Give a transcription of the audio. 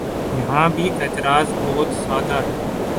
یہاں بھی اعتراض بہت سادہ ہے۔